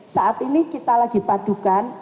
saat ini kita lagi padukan